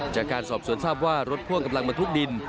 จากการสอบสวนทราบว่ารถพ่วงกำลังมาทุกดิน